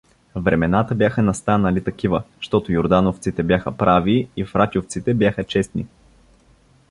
Времената бяха настанали такива, щото Юрдановците бяха прави и Фратювците бяха честни.